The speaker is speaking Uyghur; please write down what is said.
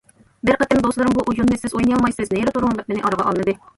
بىر قېتىم دوستلىرىم بۇ ئويۇننى سىز ئوينىيالمايسىز، نېرى تۇرۇڭ، دەپ مېنى ئارىغا ئالمىدى.